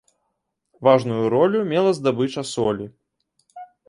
Важную ролю мела здабыча солі.